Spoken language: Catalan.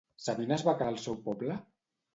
Sabina es va quedar al seu poble?